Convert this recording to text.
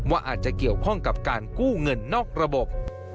ว่าอาจจะเกี่ยวข้องกับการกู้เงินนอกระบบ